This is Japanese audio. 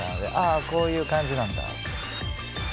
あこういう感じなんだ。